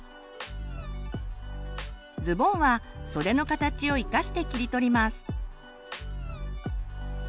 ズボンは袖の形を生かして切り取ります。